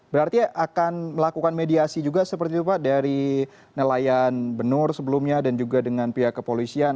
berarti akan melakukan mediasi juga seperti itu pak dari nelayan benur sebelumnya dan juga dengan pihak kepolisian